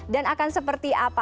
dan akan seperti apa